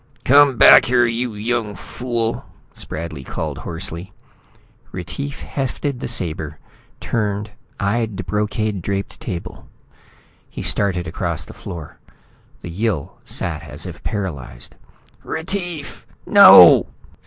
"Come back here, you young fool!" Spradley called hoarsely. Retief hefted the sabre, turned, eyed the brocade draped table. He started across the floor. The Yill sat as if paralyzed. "Retief, no!"